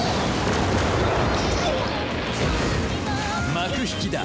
幕引きだ！